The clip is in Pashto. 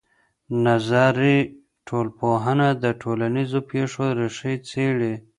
نظري ټولنپوهنه د ټولنیزو پېښو ریښې څېړي.